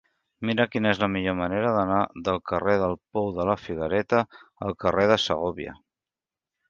Mira'm quina és la millor manera d'anar del carrer del Pou de la Figuereta al carrer de Segòvia.